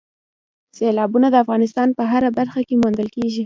سیلابونه د افغانستان په هره برخه کې موندل کېږي.